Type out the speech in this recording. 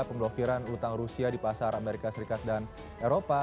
pemblokiran utang rusia di pasar amerika serikat dan eropa